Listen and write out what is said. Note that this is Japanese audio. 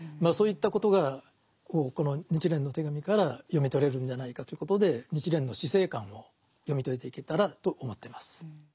そういったことがこの「日蓮の手紙」から読み取れるんじゃないかということで日蓮の死生観を読み解いていけたらと思ってます。